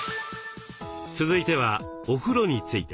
続いてはお風呂について。